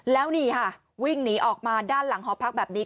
แล้วนี่ค่ะวิ่งหนีออกมาด้านหลังหอพักแบบนี้